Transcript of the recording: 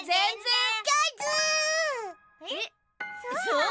そう？